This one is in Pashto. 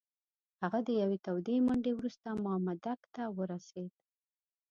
هغه د یوې تودې منډې وروسته مامدک ته ورسېد.